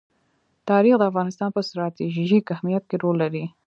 تاریخ د افغانستان په ستراتیژیک اهمیت کې رول لري.